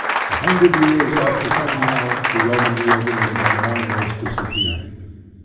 A hundred years after Crom well, the yeomanry of England had almost dis appeared.